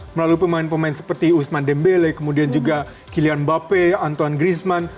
melalui pemain pemain seperti usman dembele kemudian juga kylian mbappe anton grisman